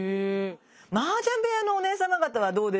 マージャン部屋のおねえ様方はどうでしょう？